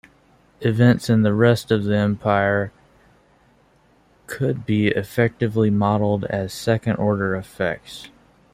Events in the rest of the Empire could be effectively modelled as second-order effects.